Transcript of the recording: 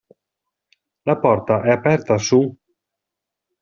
La porta è aperta, su?